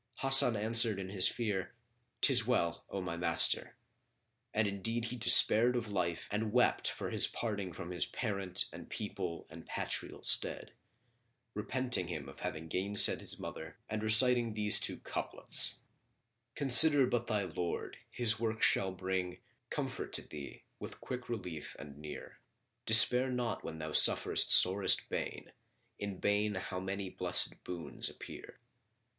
Hasan answered, in his fear, "'Tis well, O my master;" and indeed he despaired of life and wept for his parting from his parent and people and patrial stead, repenting him of having gainsaid his mother and reciting these two couplets, "Consider but thy Lord, His work shall bring * Comfort to thee, with quick relief and near: Despair not when thou sufferest sorest bane: * In bane how many blessed boons appear!"